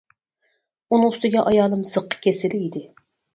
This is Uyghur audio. ئۇنىڭ ئۈستىگە ئايالىم زىققا كېسىلى ئىدى.